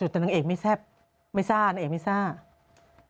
แต่นางเอกไม่แซ่บไม่ซ่านางเอกไม่ทราบ